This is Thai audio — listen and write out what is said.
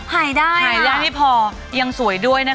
หายได้หายได้ไม่พอยังสวยด้วยนะคะ